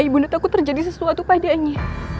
ibunda takut terjadi sesuatu padanya